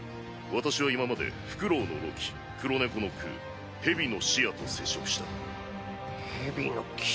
私は今までフクロウのロキ黒猫のクーヘビのシアと接触した。